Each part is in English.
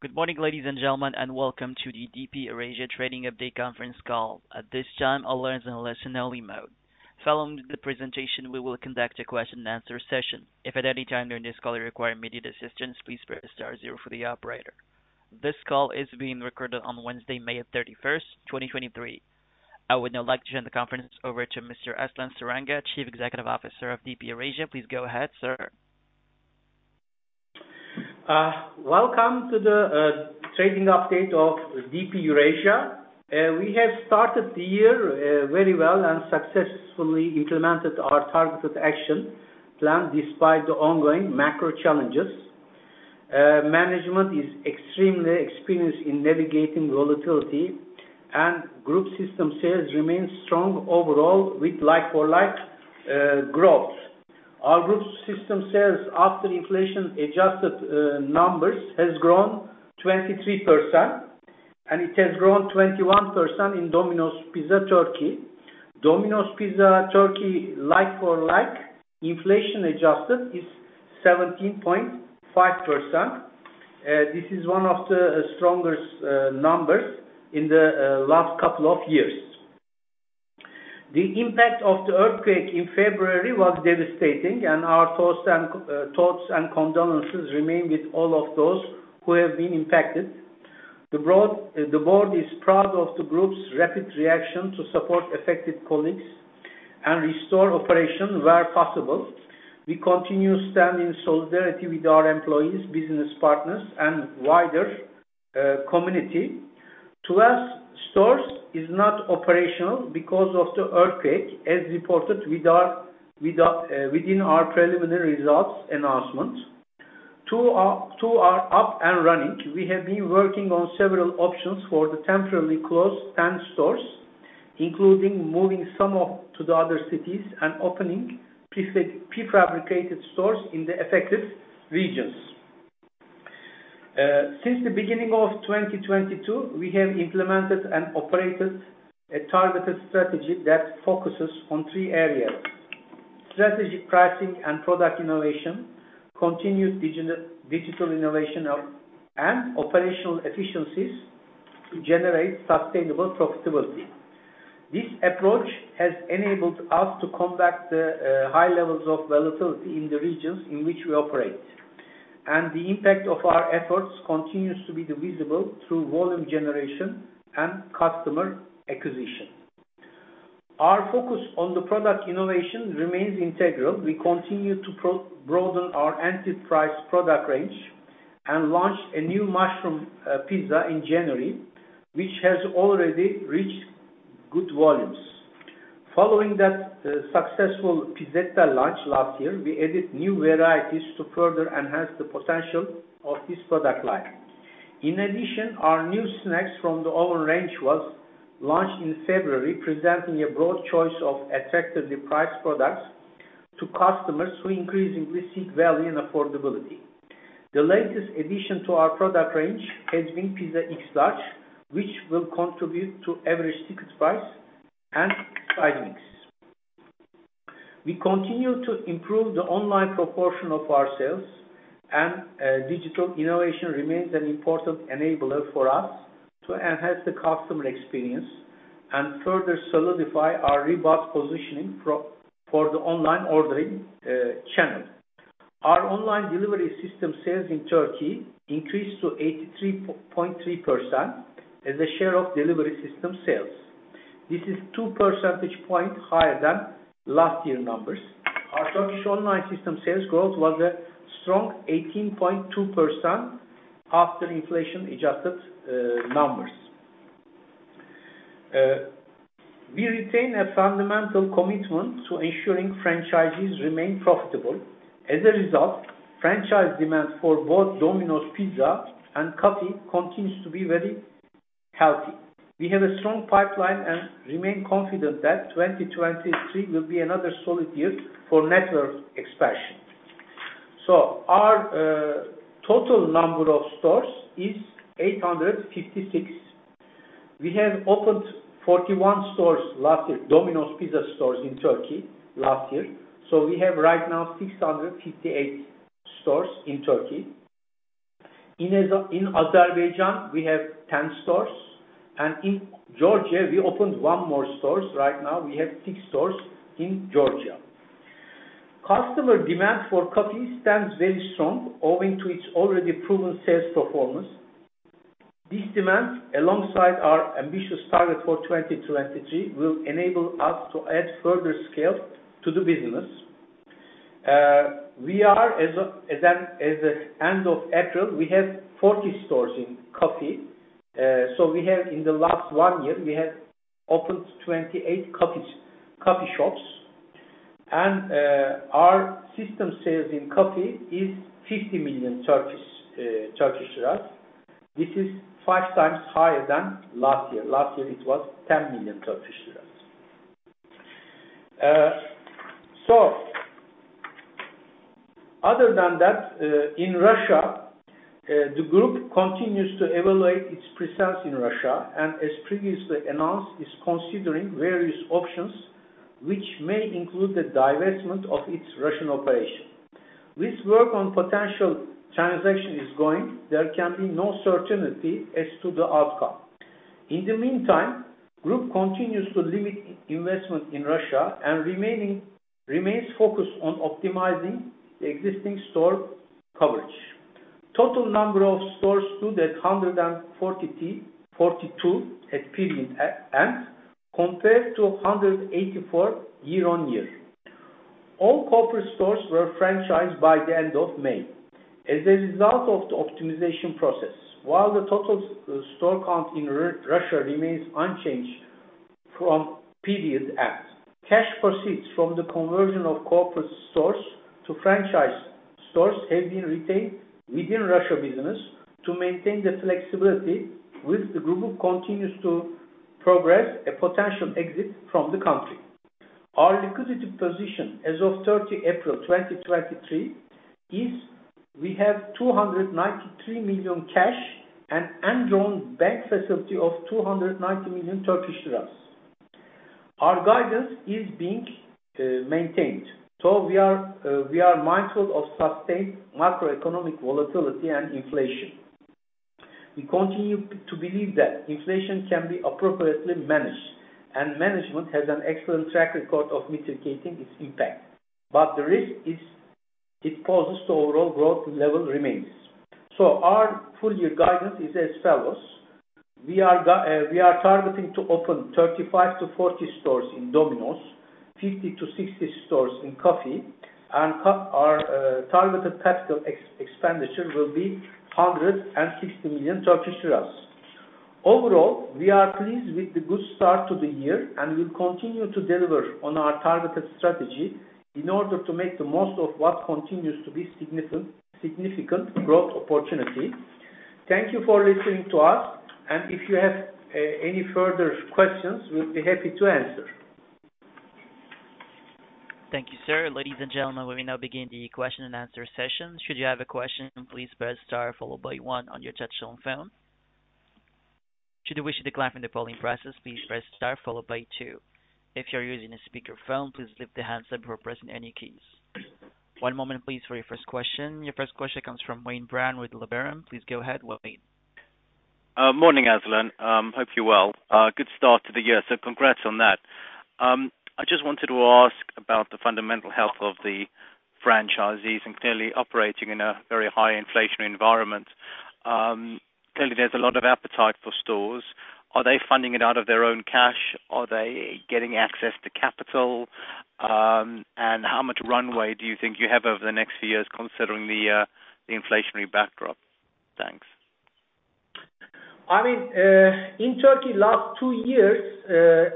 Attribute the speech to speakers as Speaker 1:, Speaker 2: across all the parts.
Speaker 1: Good morning, ladies and gentlemen, and welcome to the DP Eurasia Trading Update Conference Call. At this time, all lines in listen-only mode. Following the presentation, we will conduct a question and answer session. If at any time during this call you require immediate assistance, please press star 0 for the operator. This call is being recorded on Wednesday, May 31st, 2023. I would now like to turn the conference over to Mr. Aslan Saranga, Chief Executive Officer of DP Eurasia. Please go ahead, sir.
Speaker 2: Welcome to the trading update of DP Eurasia. We have started the year very well and successfully implemented our targeted action plan despite the ongoing macro challenges. Management is extremely experienced in navigating volatility, and group system sales remain strong overall with like-for-like growth. Our group system sales after inflation adjusted numbers, has grown 23%, and it has grown 21% in Domino's Pizza Turkey. Domino's Pizza Turkey, like-for-like, inflation adjusted, is 17.5%. This is one of the strongest numbers in the last couple of years. The impact of the earthquake in February was devastating, and our thoughts and condolences remain with all of those who have been impacted. The board is proud of the group's rapid reaction to support affected colleagues and restore operations where possible. We continue to stand in solidarity with our employees, business partners, and wider community. 12 stores is not operational because of the earthquake, as reported within our preliminary results announcement. Two are up and running. We have been working on several options for the temporarily closed 10 stores, including moving some off to the other cities and opening prefabricated stores in the affected regions. Since the beginning of 2022, we have implemented and operated a targeted strategy that focuses on three areas: strategic pricing and product innovation, continued digital innovation, and operational efficiencies to generate sustainable profitability. This approach has enabled us to combat the high levels of volatility in the regions in which we operate, and the impact of our efforts continues to be visible through volume generation and customer acquisition. Our focus on the product innovation remains integral. We continue to broaden our enterprise product range and launch a new mushroom pizza in January, which has already reached good volumes. Following that successful Pizzetta launch last year, we added new varieties to further enhance the potential of this product line. In addition, our new snacks from the oven range was launched in February, presenting a broad choice of effectively priced products to customers who increasingly seek value and affordability. The latest addition to our product range has been Pizza XL, which will contribute to average ticket price and side mix. We continue to improve the online proportion of our sales, and digital innovation remains an important enabler for us to enhance the customer experience and further solidify our robust positioning for the online ordering channel. Our online delivery system sales in Turkey increased to 83.3% as a share of delivery system sales. This is two percentage point higher than last year numbers. Our Turkish online system sales growth was a strong 18.2% after inflation adjusted numbers. We retain a fundamental commitment to ensuring franchisees remain profitable. Result, franchise demand for both Domino's Pizza and COFFY continues to be very healthy. We have a strong pipeline and remain confident that 2023 will be another solid year for network expansion. Our total number of stores is 856. We have opened 41 stores last year, Domino's Pizza stores in Turkey last year. We have right now 658 stores in Turkey. In Azerbaijan, we have 10 stores, and in Georgia, we opened one more stores. Right now, we have six stores in Georgia. Customer demand for COFFY stands very strong, owing to its already proven sales performance. This demand, alongside our ambitious target for 2023, will enable us to add further scale to the business. We are as of the end of April, we have 40 stores in COFFY. We have in the last one year, we have opened 28 COFFY shops. Our system sales in COFFY is 50 million TRY. This is five times higher than last year. Last year, it was 10 million TRY. Other than that, in Russia, the group continues to evaluate its presence in Russia, and as previously announced, is considering various options.... which may include the divestment of its Russian operation. This work on potential transaction is going, there can be no certainty as to the outcome. In the meantime, group continues to limit investment in Russia and remains focused on optimizing the existing store coverage. Total number of stores stood at 142 at period end, compared to 184 year-on-year. All corporate stores were franchised by the end of May. As a result of the optimization process, while the total store count in Russia remains unchanged from period end, cash proceeds from the conversion of corporate stores to franchise stores have been retained within Russia business to maintain the flexibility with the group continues to progress a potential exit from the country. Our liquidity position as of 30 April 2023, is we have 293 million cash and undrawn bank facility of 290 million Turkish liras. Our guidance is being maintained. We are mindful of sustained macroeconomic volatility and inflation. We continue to believe that inflation can be appropriately managed. Management has an excellent track record of mitigating its impact. The risk is, it poses to overall growth level remains. Our full year guidance is as follows: We are targeting to open 35-40 stores in Domino's, 50-60 stores in COFFY, our targeted capital expenditure will be 160 million Turkish lira. Overall, we are pleased with the good start to the year. We'll continue to deliver on our targeted strategy in order to make the most of what continues to be significant growth opportunity. Thank you for listening to us. If you have any further questions, we'll be happy to answer.
Speaker 1: Thank you, sir. Ladies and gentlemen, we now begin the question and answer session. Should you have a question, please press star followed by one on your touchtone phone. Should you wish to decline from the polling process, please press star followed by two. If you're using a speakerphone, please lift the handset before pressing any keys. One moment, please, for your first question. Your first question comes from Wayne Brown with Liberum. Please go ahead, Wayne.
Speaker 3: Morning, Aslan. Hope you're well. Good start to the year, congrats on that. I just wanted to ask about the fundamental health of the franchisees and clearly operating in a very high inflationary environment. Clearly, there's a lot of appetite for stores. Are they funding it out of their own cash? Are they getting access to capital? How much runway do you think you have over the next few years, considering the inflationary backdrop? Thanks.
Speaker 2: I mean, in Turkey, last two years,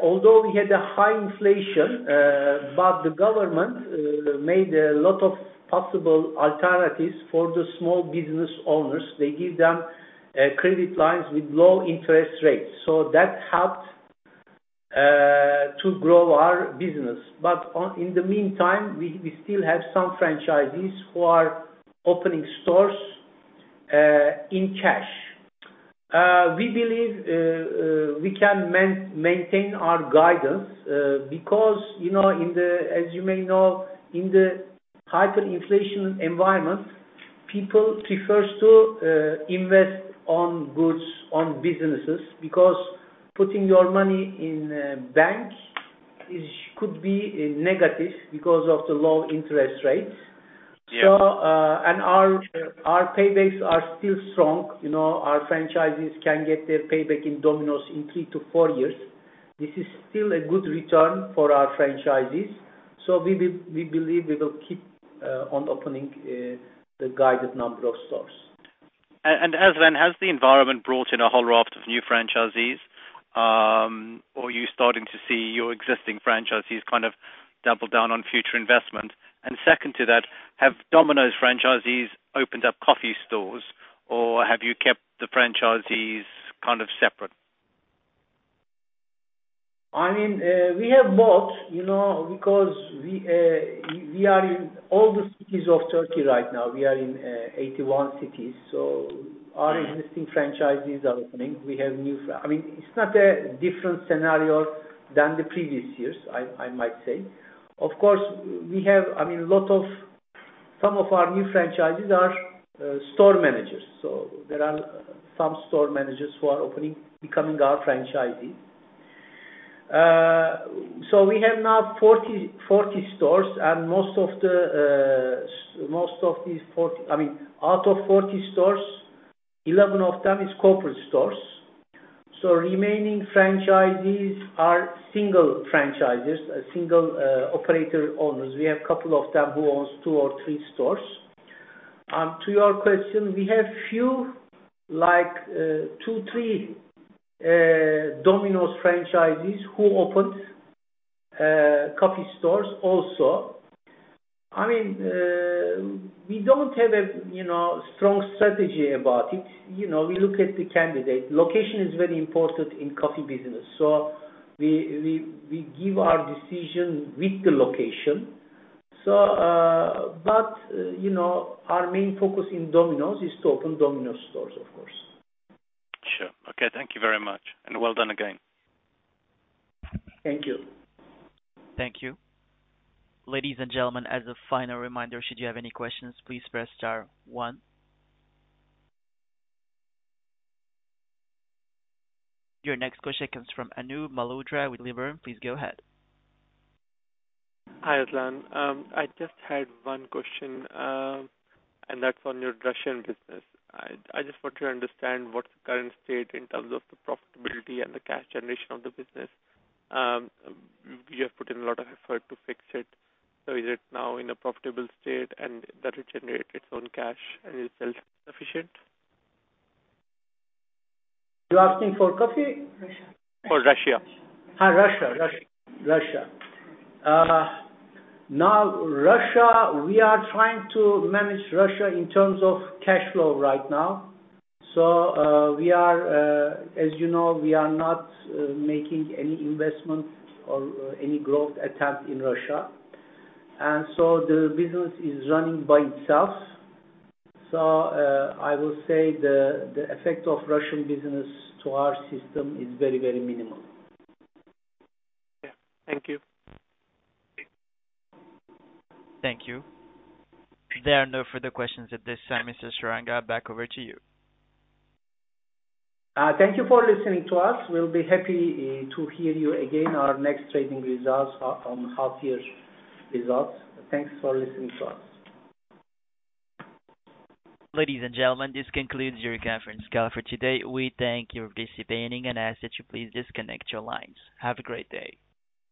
Speaker 2: although we had a high inflation, the government made a lot of possible alternatives for the small business owners. They give them credit lines with low interest rates. That helped to grow our business. On, in the meantime, we still have some franchisees who are opening stores in cash. We believe we can maintain our guidance, you know, as you may know, in the hyperinflation environment, people prefers to invest on goods, on businesses, because putting your money in banks is, could be, negative because of the low interest rates.
Speaker 3: Yeah.
Speaker 2: Our, our paybacks are still strong. You know, our franchisees can get their payback in Domino's in three to four years. This is still a good return for our franchisees, so we believe we will keep on opening the guided number of stores.
Speaker 3: Aslan, has the environment brought in a whole raft of new franchisees, or are you starting to see your existing franchisees kind of double down on future investment? And second to that, have Domino's franchisees opened up coffee stores, or have you kept the franchisees kind of separate?
Speaker 2: I mean, we have both, you know, because we are in all the cities of Turkey right now. We are in 81 cities.
Speaker 3: Right.
Speaker 2: - our existing franchisees are opening. We have new, I mean, it's not a different scenario than the previous years, I might say. Of course, we have. I mean, a lot of, some of our new franchisees are store managers, so there are some store managers who are opening, becoming our franchisees. So we have now 40 stores, and most of the, I mean, out of 40 stores, 11 of them is corporate stores. Remaining franchisees are single franchisees, single operator owners. We have a couple of them who owns two or three stores. To your question, we have few, like, two, three Domino's franchisees who opened coffee stores also. I mean, we don't have a, you know, strong strategy about it. You know, we look at the candidate. Location is very important in coffee business, so we give our decision with the location. You know, our main focus in Domino's is to open Domino's stores, of course.
Speaker 3: Sure. Okay, thank you very much, and well done again.
Speaker 2: Thank you.
Speaker 1: Thank you. Ladies and gentlemen, as a final reminder, should you have any questions, please press star one. Your next question comes from Anubhav Malhotra with Liberum. Please go ahead.
Speaker 4: Hi, Aslan. I just had one question. That's on your Russian business. I just want to understand what's the current state in terms of the profitability and the cash generation of the business. You have put in a lot of effort to fix it. Is it now in a profitable state and that it generates its own cash and is self-sufficient?
Speaker 2: You're asking for coffee?
Speaker 4: For Russia.
Speaker 2: Russia. Now Russia, we are trying to manage Russia in terms of cash flow right now. We are, as you know, we are not making any investment or any growth attempt in Russia. The business is running by itself. I will say the effect of Russian business to our system is very, very minimal.
Speaker 4: Yeah. Thank you.
Speaker 1: Thank you. There are no further questions at this time. Mr. Saranga, back over to you.
Speaker 2: Thank you for listening to us. We'll be happy to hear you again our next trading results on half year results. Thanks for listening to us.
Speaker 1: Ladies and gentlemen, this concludes your conference call for today. We thank you for participating and ask that you please disconnect your lines. Have a great day.